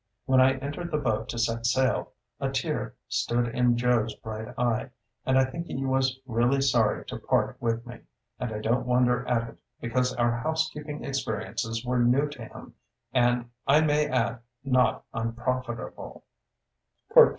When I entered the boat to set sail, a tear stood in Joe's bright eye, and I think he was really sorry to part with me; and I don't wonder at it, because our housekeeping experiences were new to him, and, I may add, not unprofitable.